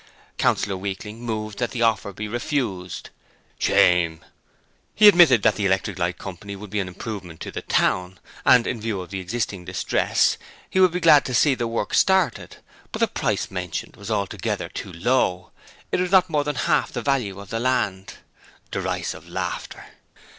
Councillor Weakling moved that the offer be refused. (Shame.) He admitted that the electric light would be an improvement to the town, and in view of the existing distress he would be glad to see the work started, but the price mentioned was altogether too low. It was not more than half the value of the land. (Derisive laughter.)